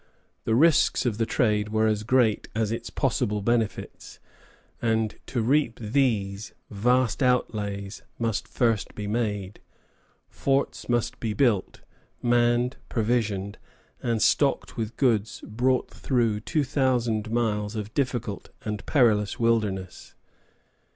The risks of the trade were as great as its possible profits, and to reap these, vast outlays must first be made: forts must be built, manned, provisioned, and stocked with goods brought through two thousand miles of difficult and perilous wilderness.